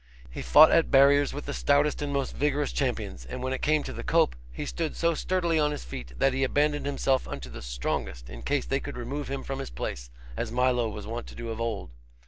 He fought at barriers with the stoutest and most vigorous champions; and when it came to the cope, he stood so sturdily on his feet that he abandoned himself unto the strongest, in case they could remove him from his place, as Milo was wont to do of old.